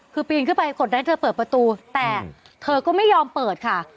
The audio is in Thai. คือปีนขึ้นไปกดดันให้เธอเปิดประตูแต่เธอก็ไม่ยอมเปิดค่ะ